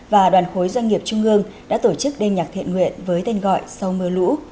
và đoàn khối doanh nghiệp trung ương đã tổ chức đêm nhạc thiện nguyện với tên gọi sau mưa lũ